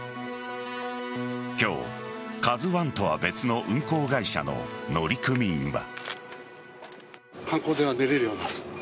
今日「ＫＡＺＵ１」とは別の運航会社の乗組員は。